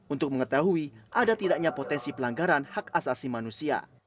untuk mengetahui ada tidaknya potensi pelanggaran hak asasi manusia